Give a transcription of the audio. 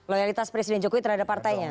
loyalitas presiden jokowi terhadap partainya